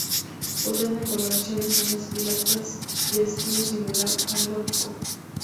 Poseen decoraciones en las pilastras de estilo similar al gótico.